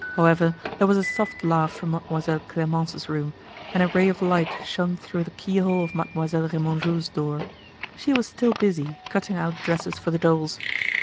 However, there was a soft laugh from Mademoiselle Clemence's room and a ray of light shone through the keyhole of Mademoiselle Remanjou's door. She was still busy cutting out dresses for the dolls.